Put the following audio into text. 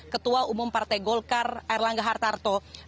ketua umum partai golkar erlangga hartarto